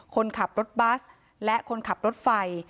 คนขับรถบัสและคนขับรถไฟ